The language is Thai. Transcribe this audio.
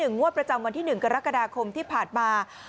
งวดประจำวันที่๑กรกฎาคมที่ผ่านมา